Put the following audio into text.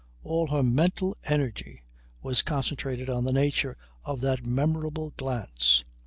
All her mental energy was concentrated on the nature of that memorable glance.